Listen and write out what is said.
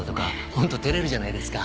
本当照れるじゃないですか。